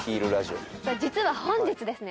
実は本日ですね